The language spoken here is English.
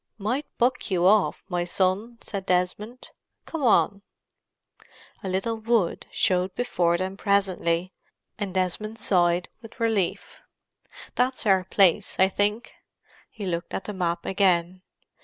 "Might buck you off, my son," said Desmond. "Come on." A little wood showed before them presently, and Desmond sighed with relief. "That's our place, I think." He looked at the map again.